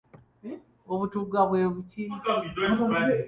Obutugga bwe buki?